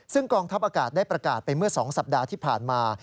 ซึ่งกองทัพอากาศได้ประกาศไปเมื่อ๒สัปดาห์ที่ผ่านมา